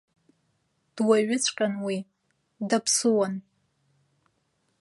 Дуаҩыҵәҟьан уи, даԥсыуан.